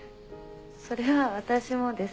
それは私もです。